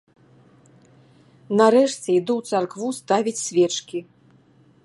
Нарэшце, іду ў царкву ставіць свечкі.